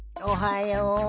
おはよう。